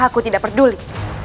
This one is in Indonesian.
aku tidak peduli